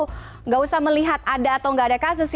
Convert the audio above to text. tidak usah melihat ada atau nggak ada kasus